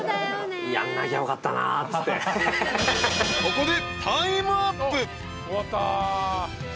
［ここで］